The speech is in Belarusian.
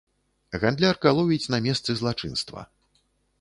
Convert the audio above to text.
Гандлярка ловіць на месцы злачынства.